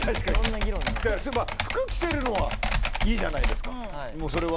服、着せるのはいいじゃないですか。